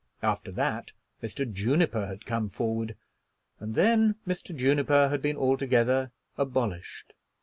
After that Mr. Juniper had come forward, and then Mr. Juniper had been altogether abolished.